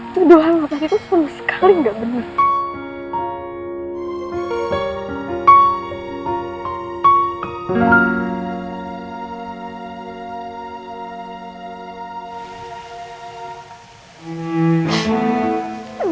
tuduhan lo tadi tuh selalu sekali gak bener